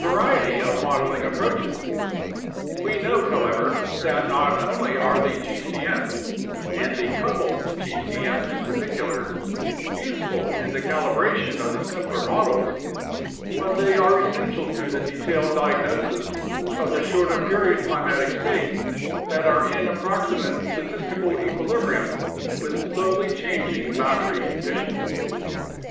variety of modeling approaches. We note, however, that not only are the gcm's (and the coupled gcm's in particular) useful in the calibration of the simpler models, but they are essential to the detailed diagnosis of the shorter period climatic states that are in approximate statistical equilibrium with slowly changing boundary conditions.